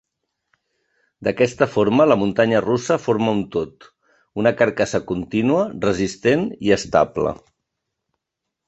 D'aquesta forma la muntanya russa forma un tot, una carcassa contínua, resistent i estable.